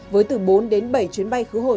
với từ bốn đến bảy chuyến bay khứa hồi